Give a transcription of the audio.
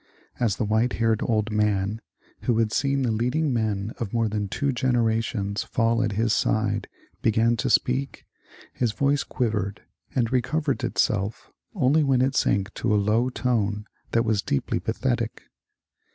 As the white haired old man, who had seen the leading men of more than two generations fall at his side, began to speak, his voice quivered, and recovered itself only when it sank to a low tone that was deeply pathetic.